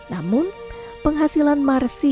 namun penghasilan marsi